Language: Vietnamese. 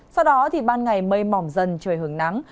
sau đó ban ngày mây mỏm dần trời hưởng nắng